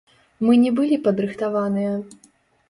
Мы не былі падрыхтаваныя.